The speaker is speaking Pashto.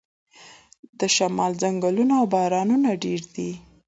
د شمال ځنګلونه او بارانونه ډیر دي.